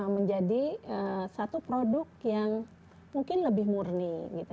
menjadi satu produk yang mungkin lebih murni